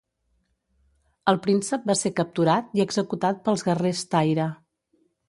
El príncep va ser capturat i executat pels guerrers Taira.